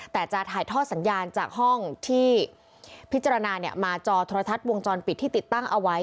แต่จะถ่ายทอดสัญญาณจากห้องที่พิจารณามาจอโทรทัศน์วงจรปิดที่ติดตั้งเอาไว้